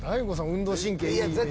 運動神経いい。